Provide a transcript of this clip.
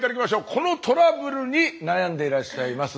このトラブルに悩んでいらっしゃいます